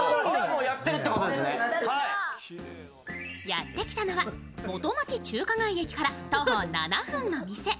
やってきたのは、元町・中華街駅から徒歩７分の店。